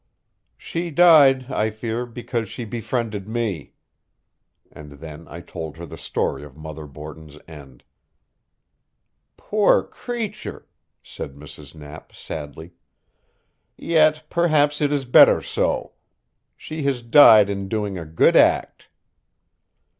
"She died, I fear, because she befriended me." And then I told her the story of Mother Borton's end. "Poor creature!" said Mrs. Knapp sadly. "Yet perhaps it is better so. She has died in doing a good act."